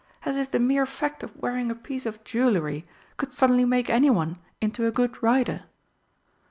As if the mere fact of wearing a piece of jewellery could suddenly make anyone into a good rider!"